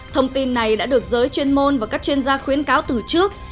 thông tin này đã được giới chuyên môn và các chuyên gia khuyến cáo từ trước